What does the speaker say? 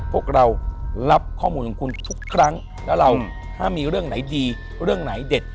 พวกเรารับข้อมูลของคุณทุกครั้งแล้วเราถ้ามีเรื่องไหนดีเรื่องไหนเด็ด